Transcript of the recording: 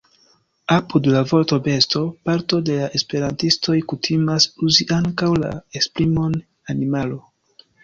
Apud la vorto „besto” parto de la esperantistoj kutimas uzi ankaŭ la esprimon „animalo”.